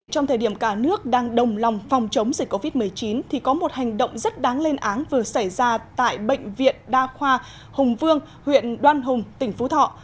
trong thời điểm cả nước đang đồng lòng phòng chống dịch covid một mươi chín thì có một hành động rất đáng lên áng vừa xảy ra tại bệnh viện đa khoa hùng vương huyện đoan hùng tỉnh phú thọ